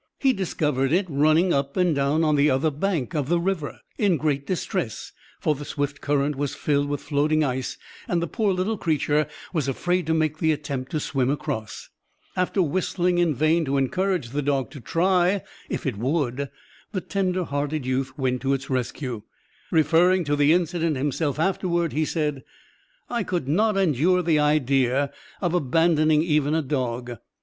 He discovered it running up and down on the other bank of the river, in great distress, for the swift current was filled with floating ice and the poor little creature was afraid to make the attempt to swim across. After whistling in vain to encourage the dog to try if it would, the tender hearted youth went to its rescue. Referring to the incident himself afterward, he said: "I could not endure the idea of abandoning even a dog.